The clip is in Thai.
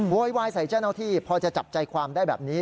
โวยวายใส่เจ้าหน้าที่พอจะจับใจความได้แบบนี้